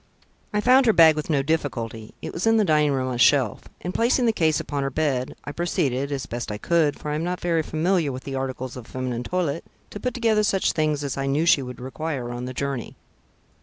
I found her bag with no difficulty it was in the dining room on a shelf, and placing the case upon her bed, I proceeded, as best I could, for I am not very familiar with the articles of feminine toilette, to put together such things as I knew she would require on the journey.